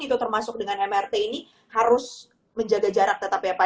itu termasuk dengan mrt ini harus menjaga jarak tetap ya pak